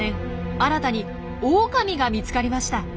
新たにオオカミが見つかりました。